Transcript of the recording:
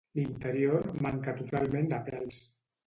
L'interior manca totalment de pèls.